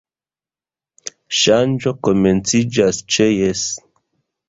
Ŝanĝo komenciĝas ĉe Jes!